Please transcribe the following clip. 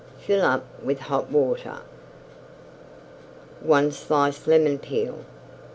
Fill up with Hot Water. 1 slice Lemon Peel.